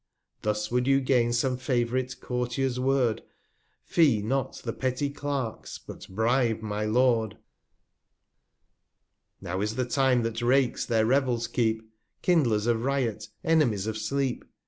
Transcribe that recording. Thus would you gain some fav'rite Courtiers Word ; Fee not the petty Clarks, but bribe my Lord^j 320 Now is the Time that Rakes their Revells keep ; Kindlers of Riot, Enemies of Sleep.